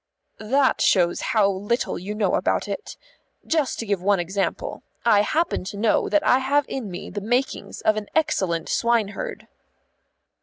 "That shows how little you know about it. Just to give one example. I happen to know that I have in me the makings of an excellent swineherd."